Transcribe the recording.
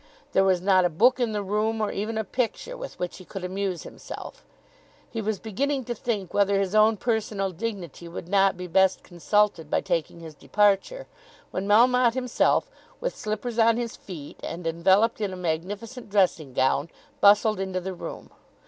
There was not a book in the room, or even a picture with which he could amuse himself. He was beginning to think whether his own personal dignity would not be best consulted by taking his departure, when Melmotte himself, with slippers on his feet and enveloped in a magnificent dressing gown, bustled into the room.